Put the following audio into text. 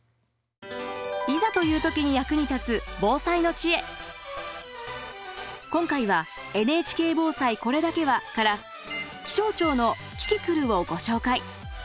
いざという時に役に立つ今回は「ＮＨＫ防災これだけは」から気象庁の「キキクル」をご紹介。